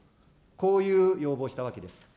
こういう要望をしたわけです。